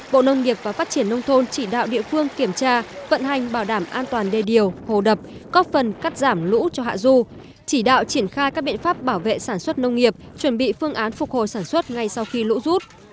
bộ nông nghiệp và phát triển nông thôn chỉ đạo địa phương kiểm tra vận hành bảo đảm an toàn đề điều hồ đập góp phần cắt giảm lũ cho hạ du chỉ đạo triển khai các biện pháp bảo vệ sản xuất nông nghiệp chuẩn bị phương án phục hồi sản xuất ngay sau khi lũ rút